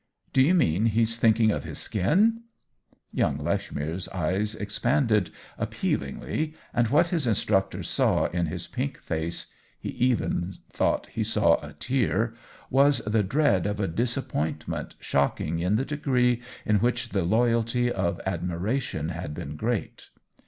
" Do you mean he's thinking of his skin ?" Young Lechmere's eyes expanded appeal ingly, and what his instructor saw in his pink face — he even thought he saw a tear — was the dread of a disappointment shocking in the degree in which the loyalty of admi ration had been great.